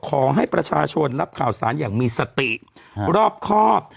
ขอให้ประชาชนรับข่าวสารอย่างมีสติรอบครอบ